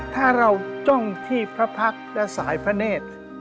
ถ้าเราจ้องที่พระพักษ์และสายพระเนธ